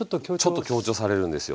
ちょっと強調されるんですよ。